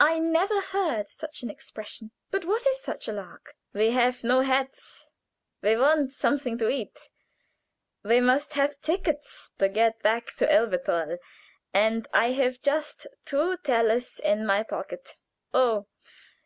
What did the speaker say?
I never heard such an expression. But what is such a lark?" "We have no hats; we want something to eat; we must have tickets to get back to Elberthal, and I have just two thalers in my pocket oh!